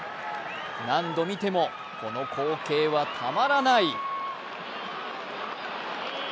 何度見ても、この光景はたまらない！